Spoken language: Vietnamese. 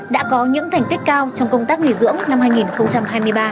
đã có những thành tích cao trong công tác nghỉ dưỡng năm hai nghìn hai mươi ba